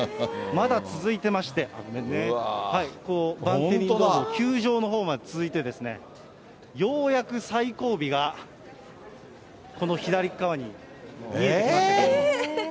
まだ続いてまして、バンテリンドームの球場のほうまで続いてですね、ようやく最後尾がこの左っ側に見えてきましたけども。